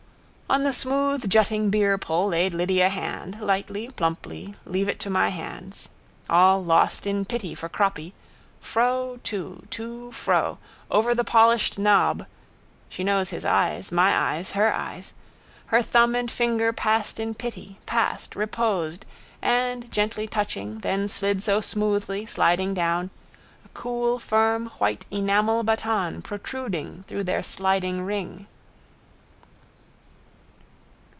On the smooth jutting beerpull laid Lydia hand, lightly, plumply, leave it to my hands. All lost in pity for croppy. Fro, to: to, fro: over the polished knob (she knows his eyes, my eyes, her eyes) her thumb and finger passed in pity: passed, reposed and, gently touching, then slid so smoothly, slowly down, a cool firm white enamel baton protruding through their sliding ring.